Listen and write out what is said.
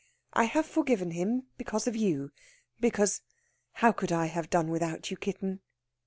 I have forgiven him, because of you. Because how could I have done without you, kitten?"